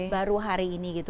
baru hari ini gitu